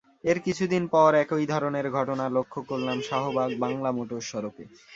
এর কিছুদিন পর একই ধরনের ঘটনা লক্ষ করলাম শাহবাগ বাংলামোটর সড়কে।